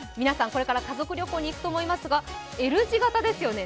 これから家族旅行に行くと思いますが、Ｌ字形ですよね。